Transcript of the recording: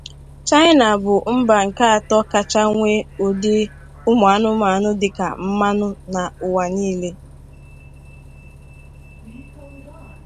Chaịna bụ mbà nke atọ kacha nwee ụdị ụmụanụmanụ dị ka mmadụ n’ụwa niile.